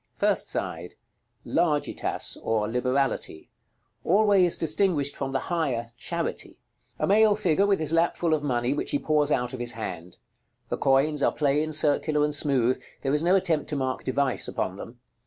First side. Largitas, or Liberality: always distinguished from the higher Charity. A male figure, with his lap full of money, which he pours out of his hand. The coins are plain, circular, and smooth; there is no attempt to mark device upon them.